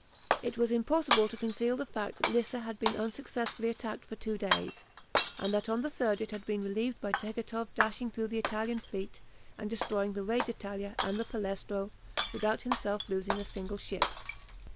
It was impossible to conceal the fact that Lissa had been unsuccessfully attacked for two days, and that on the third it had been relieved by Tegethoff dashing through the Italian fleet, and destroying the "Re d'Italia" and the "Palestro," without himself losing a single ship.